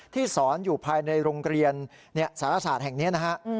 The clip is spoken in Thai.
สอนอยู่ภายในโรงเรียนสารศาสตร์แห่งนี้นะฮะ